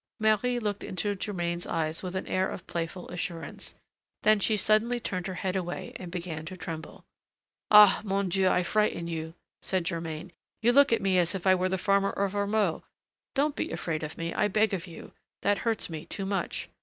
Marie looked into Germain's eyes with an air of playful assurance; then she suddenly turned her head away and began to tremble. "Ah! mon Dieu! I frighten you," said Germain; "you look at me as if I were the farmer of Ormeaux. Don't be afraid of me, I beg of you, that hurts me too much.